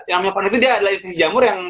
yang namanya panu itu dia adalah infeksi jamur yang